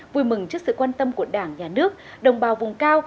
vui mừng trước sự quan tâm của đảng nhà nước đồng bào vùng cao